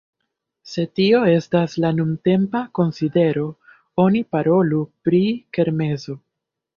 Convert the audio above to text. Se tio estas la nuntempa konsidero oni parolu pri kermeso.